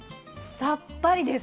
さっぱりです。